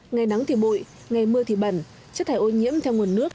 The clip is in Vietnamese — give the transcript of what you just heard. ngày nắng thì bụi ngày mưa thì bẩn chất thải ô nhiễm theo nguồn nước